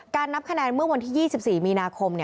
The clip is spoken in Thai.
นับคะแนนเมื่อวันที่๒๔มีนาคม